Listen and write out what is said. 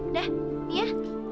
udah nih ya